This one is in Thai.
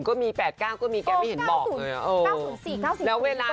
ก็มี๘๙ก็มีแกไม่เห็นบอกเลย